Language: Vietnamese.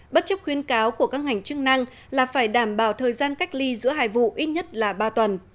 bất chấp khuyến cáo của các ngành chức năng là phải đảm bảo thời gian cách ly giữa hai vụ ít nhất là ba tuần